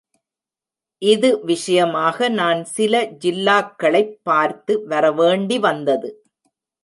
இது விஷயமாக நான் சில ஜில்லாக்களைப் பார்த்து வர வேண்டி வந்தது.